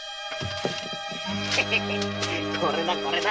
これだこれだ。